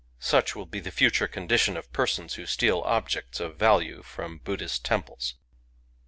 ..• Such will be the future con dition of persons who steal objects of value from Buddhist temples.